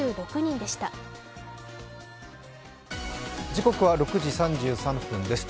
時刻は６時３３分です。